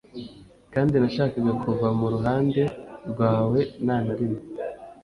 kandi nashakaga kuva mu ruhande rwawe, nta na rimwe